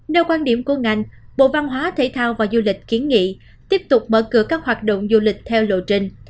nêu quan điểm của ngành bộ văn hóa thể thao và du lịch kiến nghị tiếp tục mở cửa các hoạt động du lịch theo lộ trình